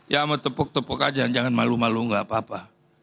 ya mau tepuk tepuk aja jangan malu malu nggak apa apa